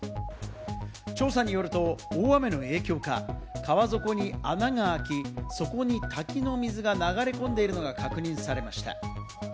調査によると大雨の影響か、河底に穴が開き、そこに滝の水が流れ込んでいるのが確認されました。